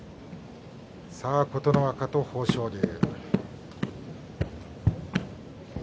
琴ノ若と豊昇龍。